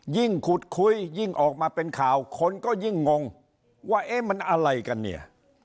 ยิ่งขุดคุยยิ่งออกมาเป็นข่าวคนก็ยิ่งงงว่าเอ๊ะมันอะไรกันเนี่ย